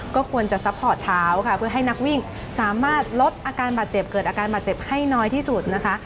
ก็ควรจะซัพพอร์ตเท้าค่ะเพื่อให้นักวิ่งสามารถลดอาการบาดเจ็บเกิดอาการบาดเจ็บให้น้อยที่สุดนะคะ